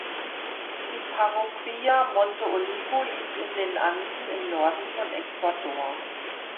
Die Parroquia Monte Olivo liegt in den Anden im Norden von Ecuador.